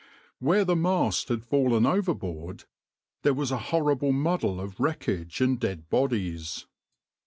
\par Where the mast had fallen overboard there was a horrible muddle of wreckage and dead bodies.